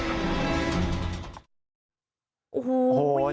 ขับไหมขับหรออะไรเนี่ย